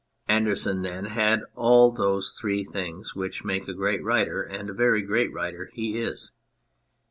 Andersen, then, had all those three things which make a great writer, and a very great writer he is.